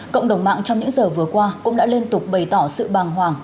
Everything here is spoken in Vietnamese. cộng đồng mạng trong những giờ vừa qua cũng đã liên tục bày tỏ sự bàng hoàng